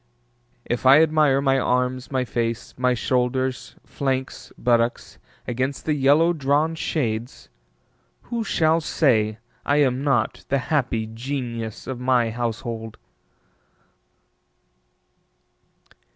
If I admire my arms, my face, my shoulders, flanks, buttocks against the yellow drawn shades, Who shall say I am not the happy genius of my household?